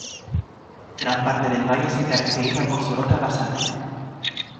Gran parte del valle se caracteriza por su roca basáltica.